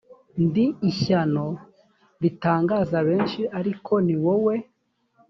ndi ishyano ritangaza benshi ariko ni wowe